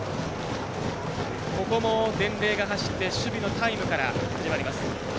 ここも伝令が走って守備のタイムから始まります。